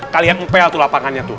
kalian ngepel tuh lapangannya tuh